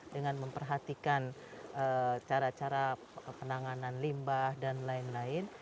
dengan memperhatikan cara cara penanganan limbah dan lain lain